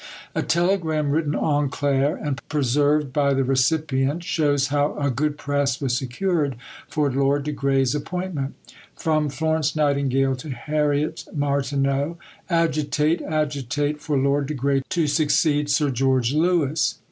A telegram written en clair and preserved by the recipient shows how a good press was secured for Lord de Grey's appointment: From Florence Nightingale to Harriet Martineau. Agitate, agitate, for Lord de Grey to succeed Sir George Lewis.